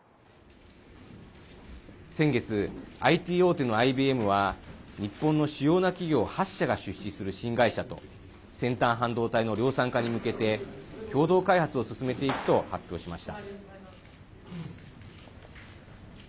先月、ＩＴ大手のＩＢＭは日本の主要な企業８社が出資する新会社と先端半導体の量産化に向けて共同開発を進めていくと発表しました。